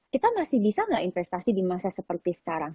kita masih bisa nggak investasi di masa seperti sekarang